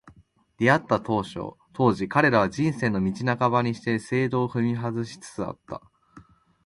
出逢った当時、彼らは、「人生の道半ばにして正道を踏み外し」つつあった。